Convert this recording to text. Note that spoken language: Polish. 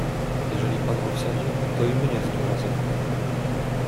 "Jeżeli pan go wsadzi, to i mnie z nim razem."